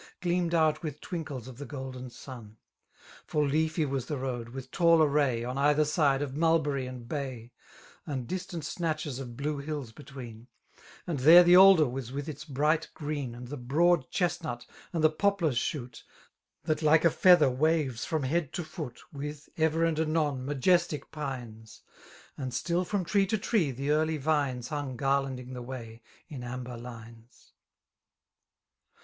Gleamed out with twinkles of the golden sun: For leafy was the road, with tall array. On either side, of mulberry and bay. And distant snatches of blue hills between 5 And there the alder was with its bright green. 88 And ilMi beoad:cliMlaii$» ftitf the pupinr <b^»t^ That la^e a featber wa^veaf item ,hei6d to IodC, Wtfih, ev«r and anon, ntiiyfeatic pine« y And still from tree to tree the early vines Htti^g garlanding the way in amber linea.